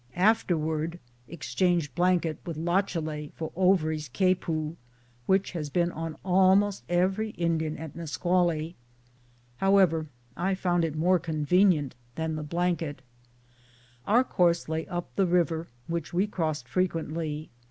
After wood exchanged blanket with Lachalet for Ouvrie's capot, which has been on almost every Indian at Nus qually. However, I found it more convenient than the blanket. Our course lay up the river, which we crossed frequently.